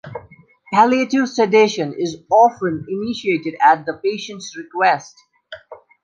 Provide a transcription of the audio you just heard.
Palliative sedation is often initiated at the patient's request.